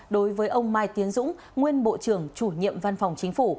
đối với ông mai tiến dũng nguyên bộ trưởng chủ nhiệm văn phòng chính phủ